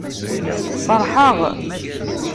Feṛḥeɣ!